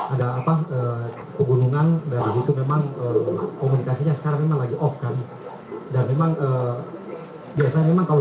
ada apa ke gunungan dari itu memang komunikasinya sekarang lagi of dan memang ke biasa memang kalau